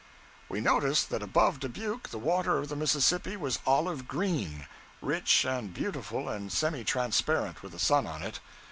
We noticed that above Dubuque the water of the Mississippi was olive green rich and beautiful and semi transparent, with the sun on it.